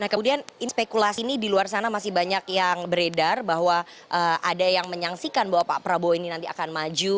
nah kemudian inspekulasi ini di luar sana masih banyak yang beredar bahwa ada yang menyaksikan bahwa pak prabowo ini nanti akan maju